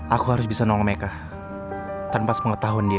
aku harus bisa nongol meka tanpa sepengetahuan dia